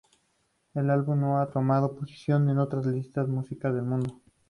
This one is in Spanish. El álbum no ha tomado posición en otras listas de música en el mundo.